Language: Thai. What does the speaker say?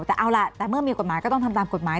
แต่เอาล่ะแต่เมื่อมีกฎหมายก็ต้องทำตามกฎหมาย